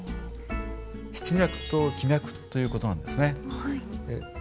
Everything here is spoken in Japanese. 筆脈と気脈という事なんですね。